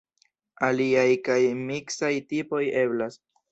Aliaj kaj miksaj tipoj eblas.